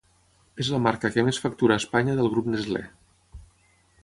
És la marca que més factura a Espanya del grup Nestlé.